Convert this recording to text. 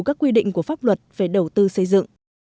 các quy định của pháp luật về đầu tư xây dựng